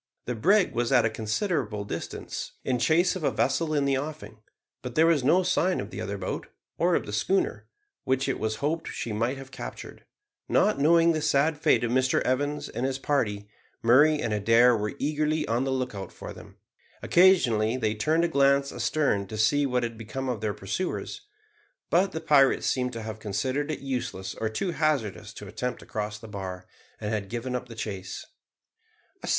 The brig was at a considerable distance, in chase of a vessel in the offing; but there was no sign of the other boat, or of the schooner, which it was hoped she might have captured. Not knowing the sad fate of Mr Evans and his party, Murray and Adair were eagerly on the lookout for them. Occasionally they turned a glance astern to see what had become of their pursuers; but the pirates seemed to have considered it useless or too hazardous to attempt to cross the bar, and had given up the chase.